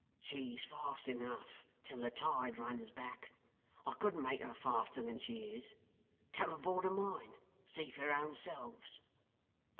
'She's fast enough till the tide runs back. I couldn't make her faster than she is. Come aboard of mine, and see for your own selves.